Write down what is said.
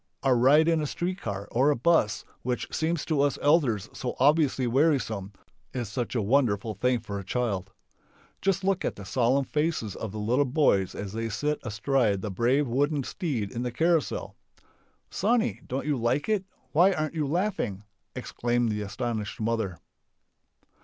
A ride in a street car or a bus which seems to us elders so obviously wearisome is such a wonderful thing for a child. Just look at the solemn faces of the little boys as they sit astride the brave wooden steed in the carousal! "Sonny, don't you like it? Why aren't you laughing?" exclaims the astonished mother.